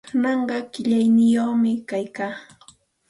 Kananqa qillayniyuqmi kaykaa.